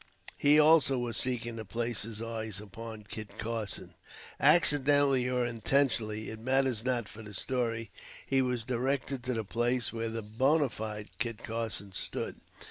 He, also, was seeking to place his eyes upon Kit Carson. Accidentally, or intentionally, it matters not for the story, he was directed to the place where the bonâ fide Kit Carson stood.